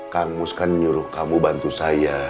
kang mus kan nyuruh kamu bantu saya